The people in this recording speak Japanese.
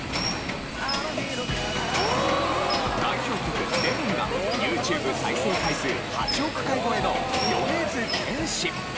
代表曲『Ｌｅｍｏｎ』がＹｏｕＴｕｂｅ再生回数８億回超えの米津玄師。